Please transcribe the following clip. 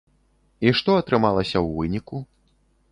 І што атрымалася ў выніку?